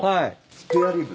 スペアリブ。